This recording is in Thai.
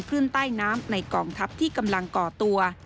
ขึ้นใต้น้ำในกองทัพที่กำลังก่อตัว